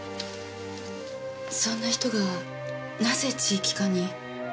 そんな人がなぜ地域課に？